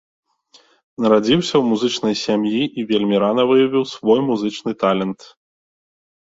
Нарадзіўся ў музычнай сям'і і вельмі рана выявіў свой музычны талент.